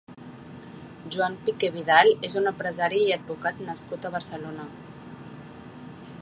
Joan Piqué Vidal és un empresari i advocat nascut a Barcelona.